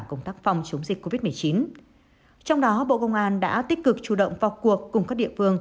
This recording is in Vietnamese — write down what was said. công tác phòng chống dịch covid một mươi chín trong đó bộ công an đã tích cực chủ động vào cuộc cùng các địa phương